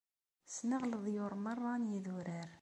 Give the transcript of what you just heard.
Ssneɣ leḍyur merra n yidurar.